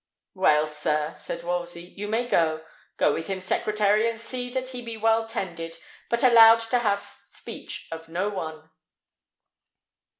"Well, sir," said Wolsey, "you may go. Go with him, secretary; and see that he be well tended, but allowed to have speech of no one."